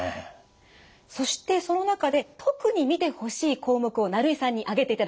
そしてその中で特に見てほしい項目を成井さんに挙げていただきました。